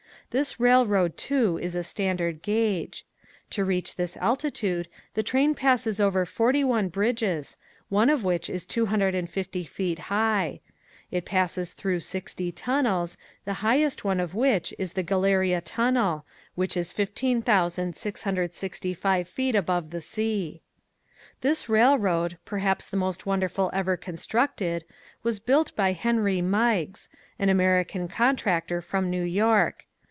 This railroad too is a standard gauge. To reach this altitude the train passes over forty one bridges, one of which is two hundred and fifty feet high. It passes through sixty tunnels, the highest one of which is the Galeria tunnel, which is 15,665 feet above the sea. This railroad, perhaps the most wonderful ever constructed, was built by Henry Meiggs, an American contractor from New York.